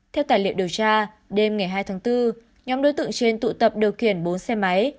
theo tài liệu điều tra đêm ngày hai tháng bốn nhóm đối tượng trên tụ tập điều khiển bốn xe máy